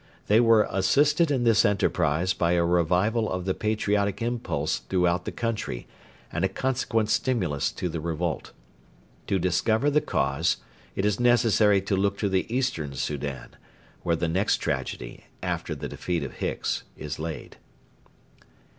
They were assisted in this enterprise by a revival of the patriotic impulse throughout the country and a consequent stimulus to the revolt. To discover the cause it is necessary to look to the Eastern Soudan, where the next tragedy, after the defeat of Hicks, is laid.